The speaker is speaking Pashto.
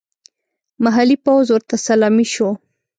محلي پوځ ورته سلامي شو.